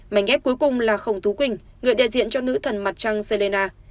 mảnh ghép cuối cùng là khổng tú quỳnh người đại diện cho nữ thần mặt trăng sellina